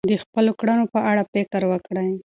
د خپلو کړنو په اړه فکر وکړئ.